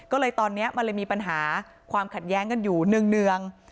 ก็เลยตอนนี้มันเลยมีปัญหาความขัดแย้งกันอยู่เนื่อง